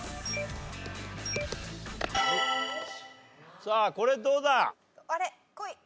さあこれどうだ？